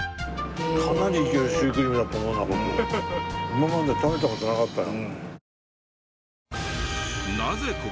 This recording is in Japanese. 今まで食べた事なかったよ。